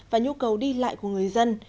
và nhu cầu đi lại của người dân